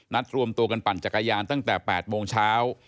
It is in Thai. รวมตัวกันปั่นจักรยานตั้งแต่๘โมงเช้า